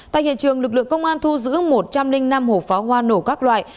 tại hiện trường lực lượng công an thu giữ một trăm linh năm hộp pháo hoa nổ các loại